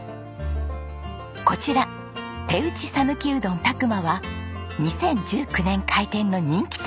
こちら手打ち讃岐うどんたくまは２０１９年開店の人気店。